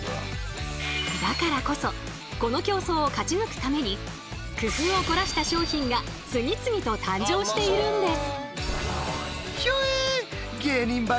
だからこそこの競争を勝ち抜くために工夫を凝らした商品が次々と誕生しているんです。